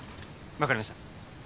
分かりました。